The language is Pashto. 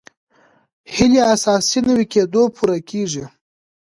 هیلې اساسي نوي کېدو پوره کېږي.